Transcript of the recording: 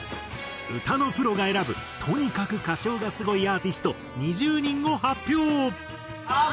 歌のプロが選ぶとにかく歌唱がスゴいアーティスト２０人を発表！